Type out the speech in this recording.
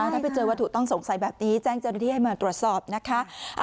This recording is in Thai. ถ้าไปเจอวัตถุต้องสงสัยแบบนี้แจ้งเจ้าหน้าที่ให้มาตรวจสอบนะคะ